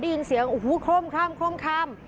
ได้ยินเสียงโอ้โหคร่ม